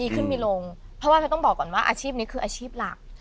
เพราะว่าแพทย์ต้องบอกก่อนว่าอาชีพนี้คืออาชีพหลัก